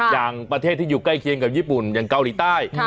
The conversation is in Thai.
อย่างประเทศที่อยู่ใกล้เคียงกับญี่ปุ่นอย่างเกาหลีใต้